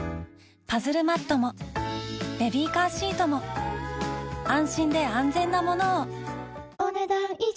パズルマットもベビーカーシートも安心で安全なものをお、ねだん以上。